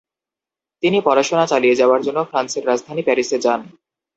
তিনি পড়াশোনা চালিয়ে যাওয়ার জন্য ফ্রান্সের রাজধানী প্যারিসে যান।